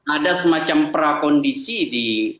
ada semacam prakondisi di